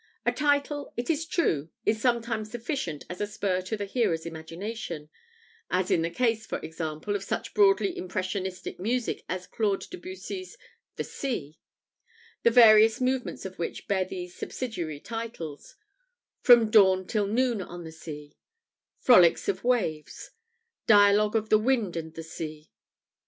A title, it is true, is sometimes sufficient as a spur to the hearer's imagination as in the case, for example, of such broadly impressionistic music as Claude Debussy's "The Sea," the various movements of which bear these subsidiary titles: "From Dawn till Noon on the Sea"; "Frolics of Waves"; "Dialogue of the Wind and the Sea."